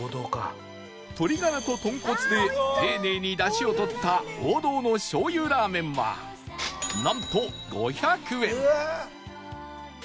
鶏ガラと豚骨で丁寧にだしをとった王道の醤油ラーメンはなんと５００円